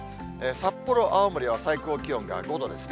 札幌、青森は最高気温が５度ですね。